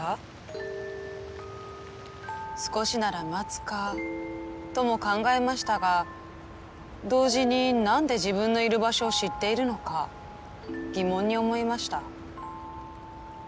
「少しなら待つか」とも考えましたが同時に何で自分のいる場所を知っているのか疑問に思いました。